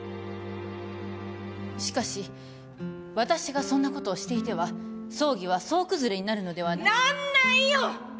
しかし私がそんなことをしていては葬儀は総崩れになるのではなんないよ！